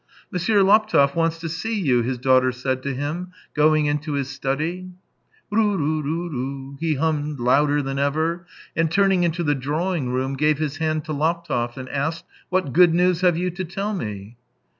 " M, Laptev wants to see you," his daughter said to him, going into his study. ," Ru ru ru ru," he hummed louder than ever, and turning into the drawing room, gave his hand to Laptev, and asked: " What good news have you to tell me